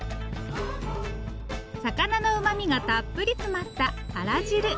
魚のうまみがたっぷり詰まったあら汁。